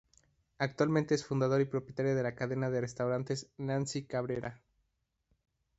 Actualmente es fundadora y propietaria de la cadena de restaurantes Nancy Cabrera.